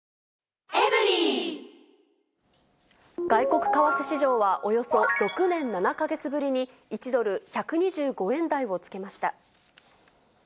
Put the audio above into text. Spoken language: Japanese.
外国為替市場は、およそ６年７か月ぶりに１ドル１２５円台をつけました。